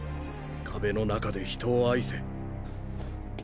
壁の中で人を愛せ。